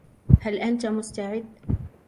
هل أنت مستعد ؟